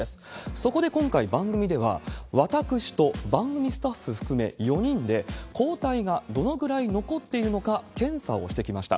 そこで今回、番組では、私と番組スタッフ含め４人で、抗体がどのくらい残っているのか検査をしてきました。